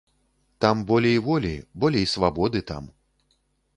Там болей волі, болей свабоды там.